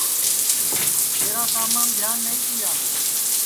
تیرا کامام دھیان نائی تیا